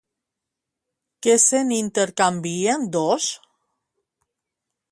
Què se n'intercanvien dos?